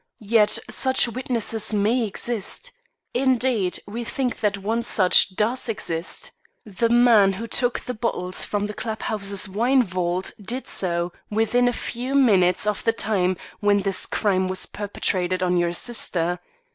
Yet such witnesses may exist. Indeed, we think that one such does exist. The man who took the bottles from the club house's wine vault did so within a few minutes of the time when this crime was perpetrated on your sister.